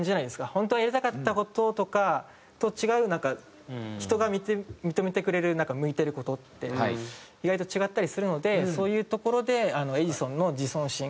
本当はやりたかった事とかと違うなんか人が認めてくれる向いてる事って意外と違ったりするのでそういうところで。